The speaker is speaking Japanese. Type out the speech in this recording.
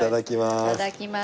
いただきます。